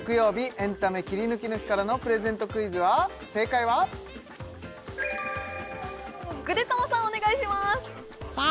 エンタメキリヌキの日からのプレゼントクイズは正解はぐでたまさん